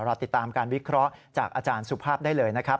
ติดตามการวิเคราะห์จากอาจารย์สุภาพได้เลยนะครับ